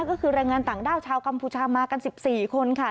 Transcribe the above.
ก็คือแรงงานต่างด้าวชาวกัมพูชามากัน๑๔คนค่ะ